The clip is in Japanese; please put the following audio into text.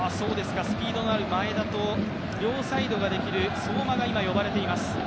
スピードのある前田と両サイドのできる相馬が呼ばれています。